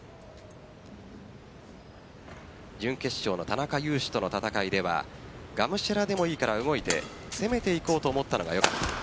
準決勝の田中湧士との戦いではがむしゃらでもいいから動いて攻めていこうと思ったのがよかった。